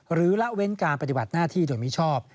ละเว้นการปฏิบัติหน้าที่โดยมิชอบ